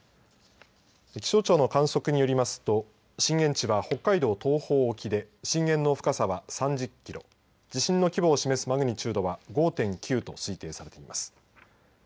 気象庁の観測によりますと震源地は北海道東方沖で震源の深さは３０キロ地震の規模を示すマグニチュードは５．９と推定されています。